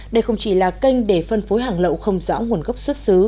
đây không chỉ là kênh để phân phối hàng lậu không rõ nguồn gốc xuất xứ